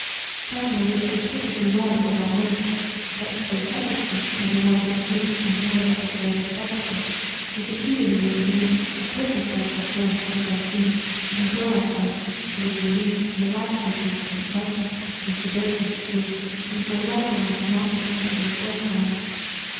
Catharine understood perfectly well what it all meant, but, though thunderstruck and overwhelmed with grief and horror at the terrible spectacle, she succeeded in maintaining a perfect self control through the whole scene, until, at length, she was released, and allowed to return to her apartment, when she burst into tears, and for a long time could not be comforted or calmed.